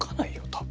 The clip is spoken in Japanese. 多分。